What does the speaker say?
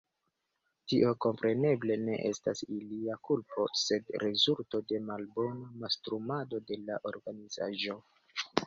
Tio, kompreneble, ne estas ilia kulpo, sed rezulto de malbona mastrumado de la organizaĵo.